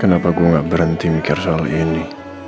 kenapa gue gak berhenti mikir soal ini